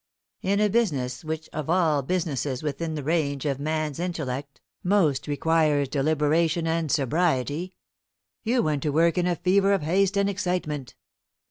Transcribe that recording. In a business which of all businesses within the range of man's intellect most requires deliberation and sobriety, you went to work in a fever of haste and excitement.